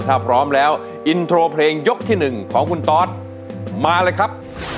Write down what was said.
ถ้าพร้อมแล้วอินโทรเพลงยกที่๑ของคุณตอสมาเลยครับ